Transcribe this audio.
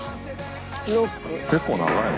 結構長いね。